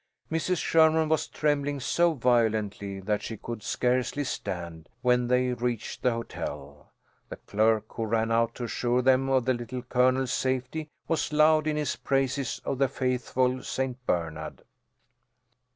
Mrs. Sherman was trembling so violently that she could scarcely stand, when they reached the hotel. The clerk who ran out to assure them of the Little Colonel's safety was loud in his praises of the faithful St. Bernard.